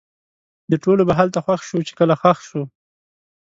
د ټولو به هلته خوښ شو؛ چې کله ښخ سو